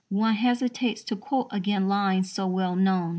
_ One hesitates to quote again lines so well known.